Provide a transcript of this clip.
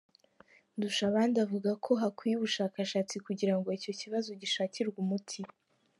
Ndushabandi avuga ko hakwiye ubushakashatsi kugira ngo icyo kibazo gishakirwe umuti.